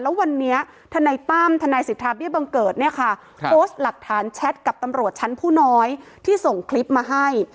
แล้ววันนี้ทนายตั้มทนายสิทธาเบี้ยบังเกิดเนี่ยค่ะโพสต์หลักฐานแชทกับตำรวจชั้นผู้น้อยที่ส่งคลิปมาให้